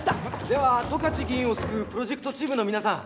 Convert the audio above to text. では十勝議員を救うプロジェクトチームの皆さん